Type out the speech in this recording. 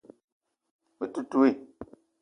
Me te ntouii